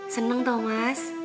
seneng tau mas